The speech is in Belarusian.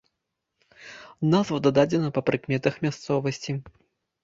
Назва дадзена па прыкметах мясцовасці.